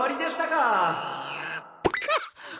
かっ！